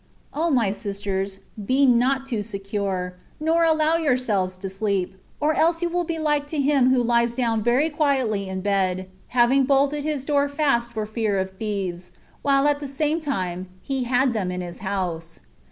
O ! my sisters, be not too secure, nor allow your selves to sleep, or else you will be like to him who lies down very quietly in bed, having bolted his door fast for fear of thieves, while at the same time he had them in his house.